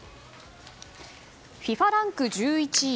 ＦＩＦＡランク１１位。